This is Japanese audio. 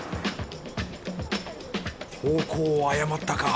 方向を誤ったか！？